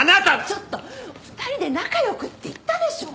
ちょっと２人で仲良くって言ったでしょ！